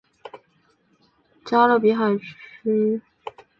加勒比海地区预选赛共分两阶段。